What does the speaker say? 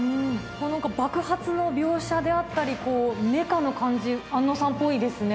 爆発の描写であったりメカの感じ庵野さんっぽいですね